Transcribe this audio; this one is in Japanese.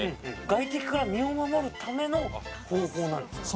外敵から身を守るための方法なんですか？